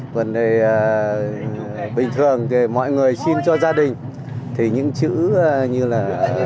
còn bình thường thì mọi người xin cho gia đình thì những chữ như là